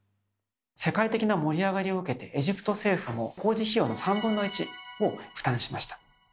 世界的な盛り上がりを受けてエジプト政府も工事費用の３分の１を負担しました。